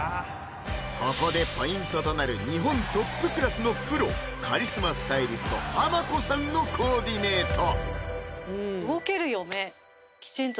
ここでポイントとなる日本トップクラスのプロカリスマスタイリストはま子さんのコーディネート！